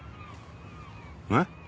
えっ？